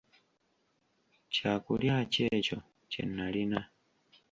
Kyakulya ki ekyo kye nalina?